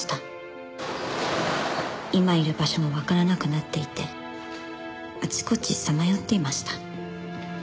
「今いる場所もわからなくなっていてあちこちさまよっていました」